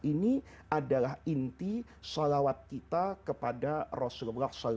ini adalah inti salawat kita kepada rasulullah saw